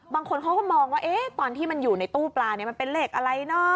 บางคนเขาก็มองว่าตอนที่มันอยู่ในตู้ปลาเนี่ยมันเป็นเลขอะไรเนอะ